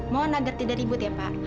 mohon agar tidak ribut ya pak